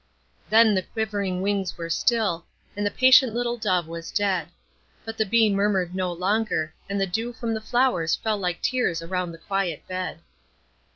Then the quivering wings were still, and the patient little dove was dead; but the bee murmured no longer, and the dew from the flowers fell like tears around the quiet bed.